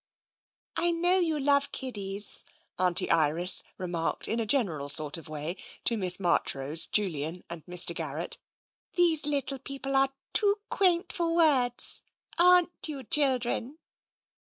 " I know you love kiddies," Auntie Iris remarked in a general sort of way to Miss Marchrose, Julian, and Mr. Garrett. " These little people are too quaint for words ; aren't you, children